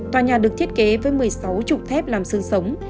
tòa nhà được thiết kế với một mươi sáu trục thép làm sương sống